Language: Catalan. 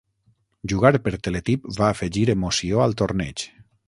Jugar per teletip va afegir emoció al torneig.